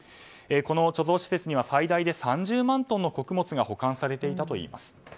この貯蔵施設には最大で３０万トンの保管されていたといいます。